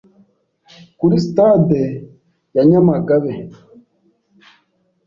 kuri Sitade ya Nyamagabe